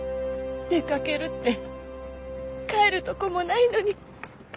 出かけるって帰るとこもないのに。